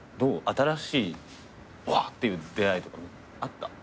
新しいわっ！っていう出会いとかあった？